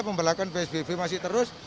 pemberlakuan psbb masih terus